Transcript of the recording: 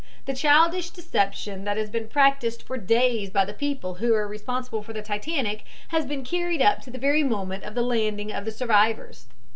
The childish deception that has been practiced for days by the people who are responsible for the Titanic has been carried up to the very moment of the landing of the survivors."